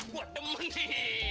buat temen nih